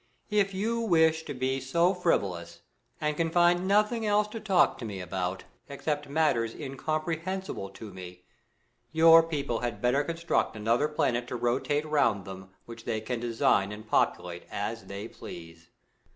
If you wish to be so frivolous, and can find nothing else to talk to me about except matters incom prehensible to me, your people had better construct another planet to rotate round them, which they can design and populate as they please.